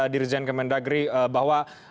dirjen kementerian negeri bahwa